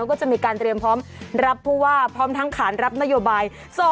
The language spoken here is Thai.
ก็จะมีการเตรียมพร้อมรับผู้ว่าพร้อมทั้งขานรับนโยบาย